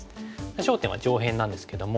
焦点は上辺なんですけども。